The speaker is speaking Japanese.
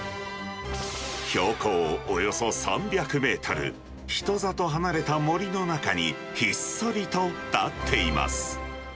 標高およそ３００メートル、人里離れた森の中にひっそりと建っています。